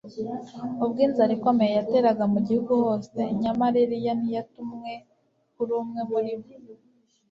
ubwo inzara ikomeye yateraga mu gihugu hose; nyamara Eliya ntiyatumwe kuri umwe wo muri bo,